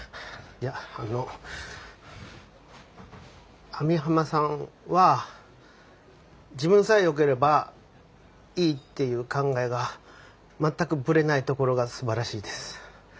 あの網浜さんは自分さえよければいいっていう考えが全くブレないところがすばらしいです。